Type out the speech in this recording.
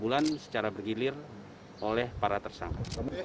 penjabat penjabat secara bergilir oleh para tersangka